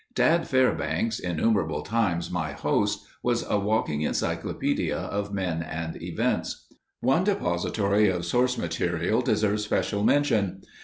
Dad Fairbanks, innumerable times my host, was a walking encyclopedia of men and events. One depository of source material deserves special mention.